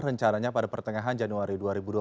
rencananya pada pertengahan januari dua ribu dua puluh